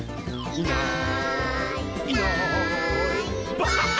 「いないいないばあっ！」